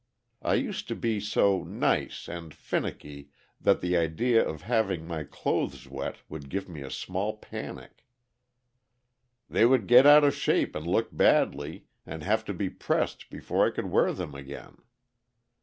I used to be so "nice" and "finnicky" that the idea of having my clothes wet would give me a small panic. "They would get out of shape and look badly, and have to be pressed before I could wear them again."